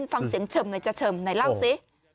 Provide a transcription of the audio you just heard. ฟังเสียงเฉิมไงจะเฉิมหน่อยเล่าสิ